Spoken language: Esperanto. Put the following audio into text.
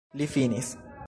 Li finis!